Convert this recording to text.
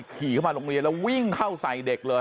ขี่เข้ามาโรงเรียนแล้ววิ่งเข้าใส่เด็กเลย